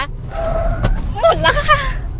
หมดแล้วค่ะ